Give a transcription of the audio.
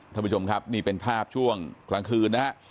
ท่านผู้ชมครับนี่เป็นภาพช่วงกลางคืนนะฮะ